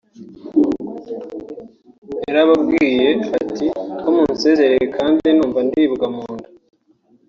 “Yarababwiye ati ko munsezereye kandi numva ndibwa mu nda